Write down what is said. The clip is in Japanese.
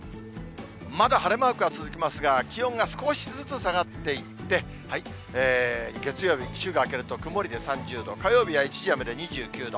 まだ晴れマークが続きますが、気温が少しずつ下がっていって、月曜日、週が明けると曇りで３０度、火曜日は一時雨で２９度。